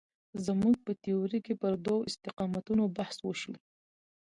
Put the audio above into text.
زموږ په تیورۍ کې پر دوو استقامتونو بحث وشو.